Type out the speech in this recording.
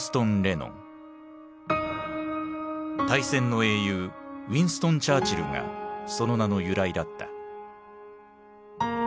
大戦の英雄ウィンストン・チャーチルがその名の由来だった。